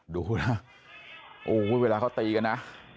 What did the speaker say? ดูนะโอ้โหเวลาเขาตีกันนะ